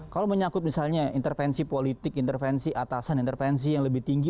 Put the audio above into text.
kalau menyakut misalnya intervensi politik intervensi atasan intervensi yang lebih tinggi